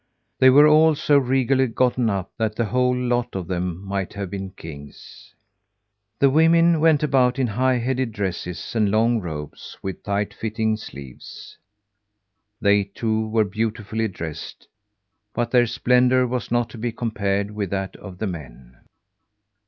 They were all so regally gotten up that the whole lot of them might have been kings. The women went about in high head dresses and long robes with tight fitting sleeves. They, too, were beautifully dressed, but their splendour was not to be compared with that of the men.